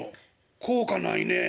『効果ないねえ』。